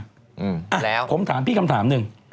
แล้วผมถามพี่คำถามหนึ่ง